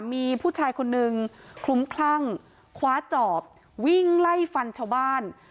มีผู้ชายคนนึงคลุ้มคลั่งคว้าจอบวิ่งไล่ฟันชาวบ้าน